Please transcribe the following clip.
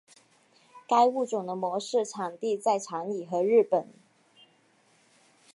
该物种的模式产地在长崎和日本。